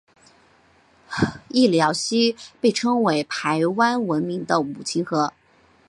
隘寮溪被称为排湾文明的母亲河。